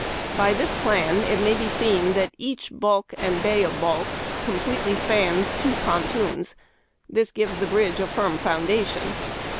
By this plan it may be seen that each Ijalk and bay of balks completely spans two pontons. This gives the bridge a firm foundation.